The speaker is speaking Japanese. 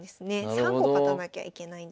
３個勝たなきゃいけないんです。